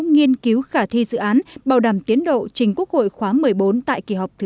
nghiên cứu khả thi dự án bảo đảm tiến độ trình quốc hội khóa một mươi bốn tại kỳ họp thứ sáu